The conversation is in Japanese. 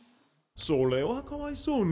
それはかわいそうに。